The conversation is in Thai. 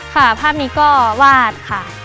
ภาพนี้ก็วาดค่ะ